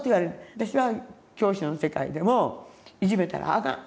私は教師の世界でもいじめたらあかん。